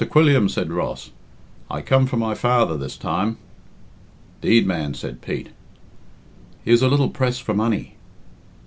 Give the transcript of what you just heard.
Quilliam," said Ross, "I come from my father this time." "'Deed, man," said Pete. "He is a little pressed for money."